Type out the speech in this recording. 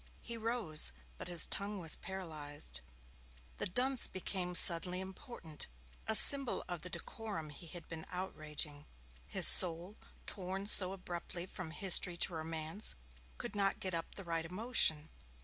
He rose, but his tongue was paralysed. The dunce became suddenly important a symbol of the decorum he had been outraging. His soul, torn so abruptly from history to romance, could not get up the right emotion.